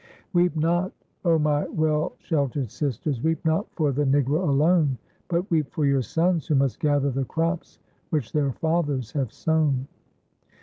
Weep not, oh my well sheltered sisters, Weep not for the Negro alone, But weep for your sons who must gather The crops which their fathers have sown."